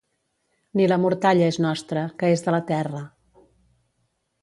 Ni la mortalla és nostra, que és de la terra.